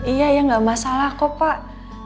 iya ya nggak masalah kok pak